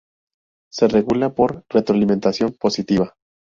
Se regula por retroalimentación positiva.